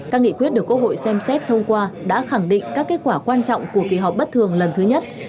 các nghị quyết được quốc hội xem xét thông qua đã khẳng định các kết quả quan trọng của kỳ họp bất thường lần thứ nhất